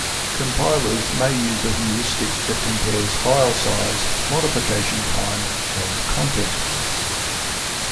Compilers may use a heuristic that compares file size, modification time and content.